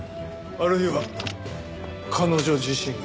あるいは彼女自身が。